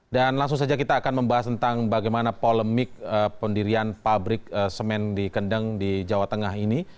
dan langsung saja kita akan membahas tentang bagaimana polemik pendirian pabrik semen di kendeng di jawa tengah ini